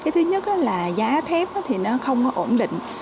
thứ nhất là giá thép thì nó không có ổn định